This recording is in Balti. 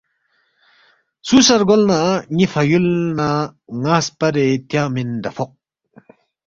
سو سا رگولنہ نی فہ یول نہ نا سپارے تیانگمن ڈافوق